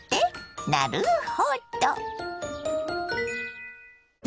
なるほど！